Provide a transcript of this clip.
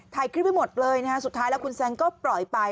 ถ่ายคลิปไว้หมดเลยนะฮะสุดท้ายแล้วคุณแซงก็ปล่อยไป